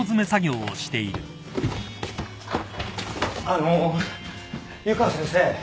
あの湯川先生。